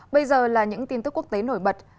bây giờ là những tin tức quốc tế nổi bật